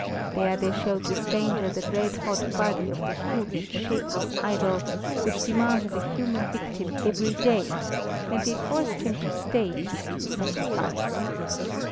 There they showed the stranger the red hot body of the huge, shapeless idol which demanded a human victim every day, and they forced him to stay to see the sacrifice.